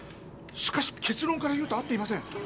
しかしけつろんから言うと会っていません。